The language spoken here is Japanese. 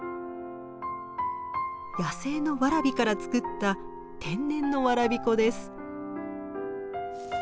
野生のワラビから作った天然のわらび粉です。